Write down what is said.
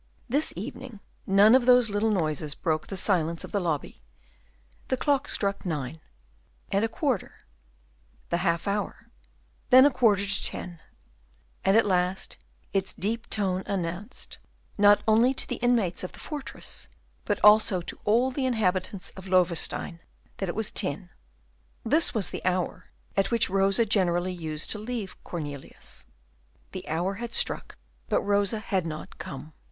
This evening none of those little noises broke the silence of the lobby, the clock struck nine, and a quarter; the half hour, then a quarter to ten, and at last its deep tone announced, not only to the inmates of the fortress, but also to all the inhabitants of Loewestein, that it was ten. This was the hour at which Rosa generally used to leave Cornelius. The hour had struck, but Rosa had not come.